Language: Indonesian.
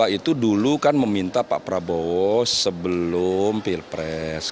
alumni dua ratus dua belas itu dulu kan meminta pak prabowo sebelum pilpres